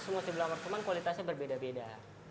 semua sebelah markuman kualitasnya berbeda beda